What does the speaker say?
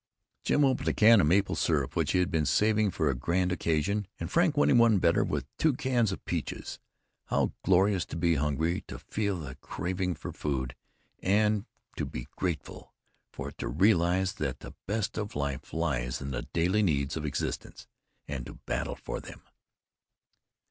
Jim opened a can of maple syrup which he had been saving for a grand occasion, and Frank went him one better with two cans of peaches. How glorious to be hungry to feel the craving for food, and to be grateful for it, to realize that the best of life lies in the daily needs of existence, and to battle for them!